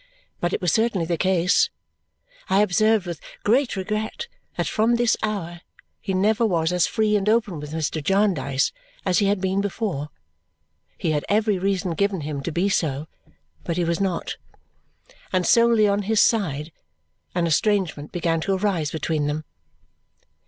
But it was certainly the case. I observed with great regret that from this hour he never was as free and open with Mr. Jarndyce as he had been before. He had every reason given him to be so, but he was not; and solely on his side, an estrangement began to arise between them.